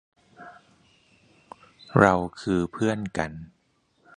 เราคือเพื่อนกัน